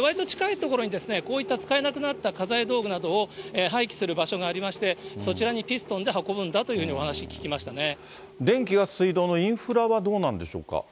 わりと近い所にこういった使えなくなった家財道具などを廃棄する場所がありまして、そちらにピストンで運ぶんだというふうにお話電気、ガス、水道のインフラ